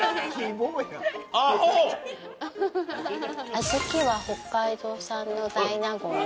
あずきは北海道産の大納言を。